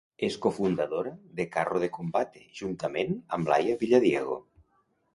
És cofundadora de Carro de Combate juntament amb Laia Villadiego.